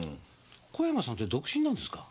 小山さんて独身なんですか？